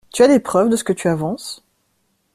Tu as des preuves de ce que tu avances?